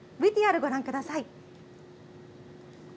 ＶＴＲご覧ください。